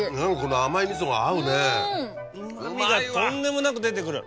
うまみがとんでもなく出てくる。